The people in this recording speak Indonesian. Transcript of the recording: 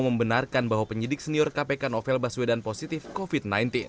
membenarkan bahwa penyidik senior kpk novel baswedan positif covid sembilan belas